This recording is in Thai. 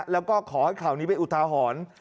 แล้วก็ขอให้ข่าวนี้ไปอุตหาหอน